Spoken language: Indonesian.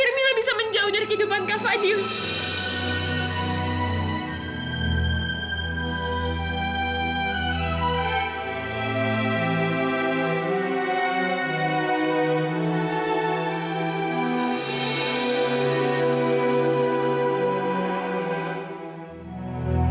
biar mila bisa menjauh dari kehidupan kak fadil